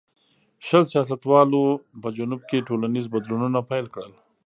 شل سیاستوالو په جنوب کې ټولنیز بدلونونه پیل کړل.